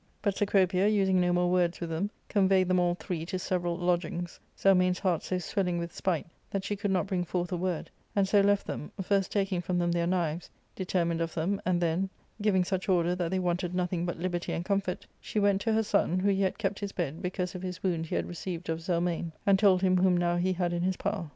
But Cecropia, using no more words with them, conveyed them all three to several [separate] lodgings, Zelmane's heart so swelling with spite that she could not bring forth a word, and so left them, first taking from them their knives, because they should do themselves no hurt before she had determined of them, and then, giving such order that they wanted nothing but liberty and comfort, she went to her son, who yet kept his bed because of his wound he had received of Zelmane, and told him whom now he had in his power.